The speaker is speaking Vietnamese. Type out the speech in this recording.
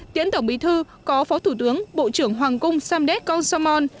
tiến tổng bí thư có phó thủ tướng bộ trưởng hoàng cung samdet kong samon